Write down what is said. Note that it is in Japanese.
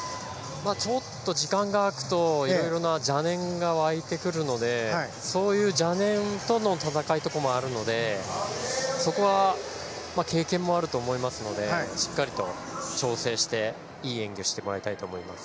ちょっと時間が空くといろいろな邪念が湧いてくるのでそういう邪念との戦いというところもあるのでそこは経験もあると思いますのでしっかりと調整していい演技をしてもらいたいと思います。